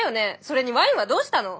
それにワインはどうしたの？